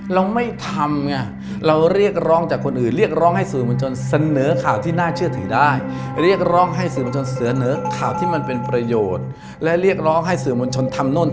เหมือนกี่ที่พูดทั้งหมดไม่ได้ว่าสื่อมณชน